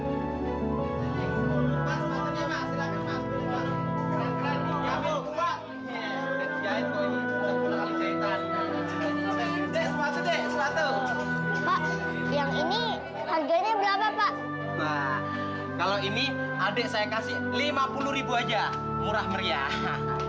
nah kalau ini adik saya kasih lima puluh ribu aja murah meriah